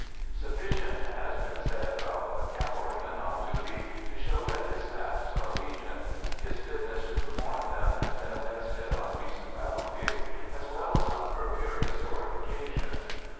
Sufficient has been said about the cavalryman on duty to show that his tasks are legion. His fitness to perform them has been attested on recent battlefields as well as on earlier historic occasions.